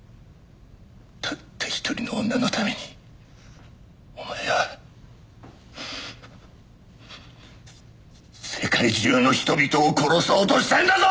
たった一人の女のためにお前は世界中の人々を殺そうとしたんだぞ！